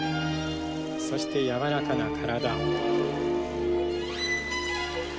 そして柔らかな体。